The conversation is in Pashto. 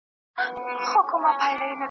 کرۍ ورځ چي یې مزلونه وه وهلي .